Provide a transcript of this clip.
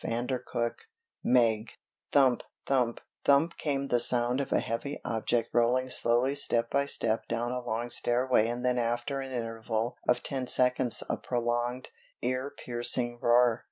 CHAPTER IV "MEG" Thump, thump, thump came the sound of a heavy object rolling slowly step by step down a long stairway and then after an interval of ten seconds a prolonged, ear piercing roar.